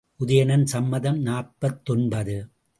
உதயணன் சம்மதம் நாற்பத்தொன்பது.